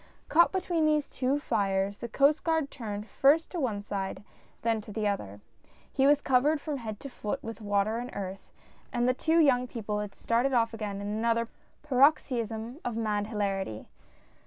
Caught between these two fires the Coast Guard turned first to one side and then to the other. 3 50 GOING TO MAKKET. He was covered from head to foot with water and earth, and the two young people started off again in another paroxysm of mad hilarity.